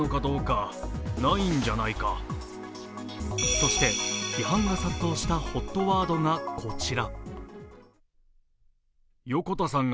そして批判が殺到したＨＯＴワードがこちら。